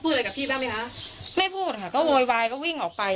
อะไรกับพี่บ้างไหมคะไม่พูดค่ะก็โวยวายก็วิ่งออกไป